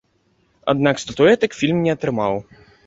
Аднак статуэтак фільм не атрымаў.